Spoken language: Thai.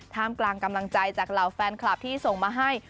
มกลางกำลังใจจากเหล่าแฟนคลับที่ส่งมาให้